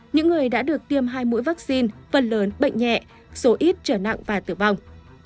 những người đã được tiêm hai mũi vaccine phần lớn bệnh nhẹ số ít trở nặng và tử vong